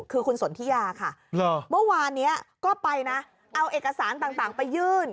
คือคุณสนทิยาค่ะเมื่อวานนี้ก็ไปนะเอาเอกสารต่างไปยื่น